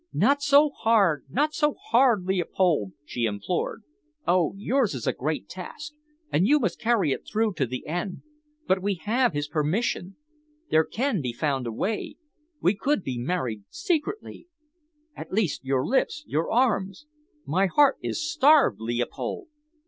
"Not so hard not so hard, Leopold!" she implored. "Oh! yours is a great task, and you must carry it through to the end, but we have his permission there can be found a way we could be married secretly. At least your lips your arms! My heart is starved, Leopold."